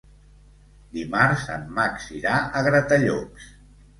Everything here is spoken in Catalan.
Dimarts en Max irà a Gratallops.